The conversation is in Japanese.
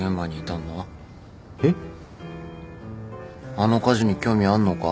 あの火事に興味あんのか？